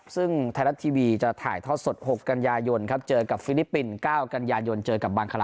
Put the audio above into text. ซึ่งไทยรัฐทีวีจะถ่ายท่อสด๖กัญญายนครับ